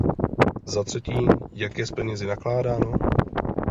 Zatřetí, jak je s penězi nakládáno?